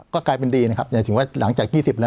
ก็กลายเป็นดีนะครับอย่าถึงว่าหลังจาก๒๐แล้ว